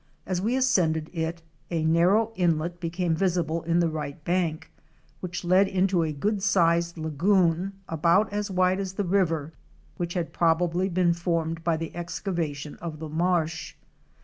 As we ascended it, a narrow inlet became visible in the right bank, which led into a good sized lagoon about as wide as the river, which had probably been formed by the excavation of the marsh.